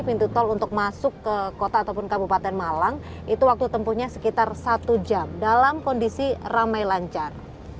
pintu tol untuk masuk ke kota ataupun kabupaten malang itu waktu tempuhnya sekitar satu jam dalam kondisi ramai lancar